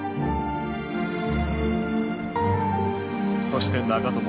そして長友。